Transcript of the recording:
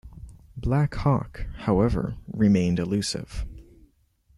Black Hawk, however, remained elusive.